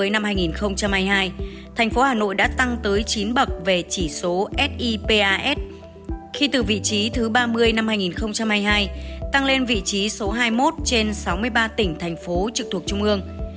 thành phố hà nội đã tăng tới chín bậc về chỉ số sipas khi từ vị trí thứ ba mươi năm hai nghìn hai mươi hai tăng lên vị trí số hai mươi một trên sáu mươi ba tỉnh thành phố trực thuộc trung ương